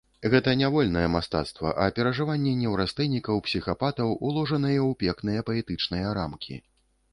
Гэта не вольнае мастацтва, а перажыванні неўрастэнікаў, псіхапатаў, уложаныя ў пекныя паэтычныя рамкі.